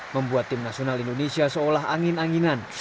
membuat tim nasional indonesia seolah angin anginan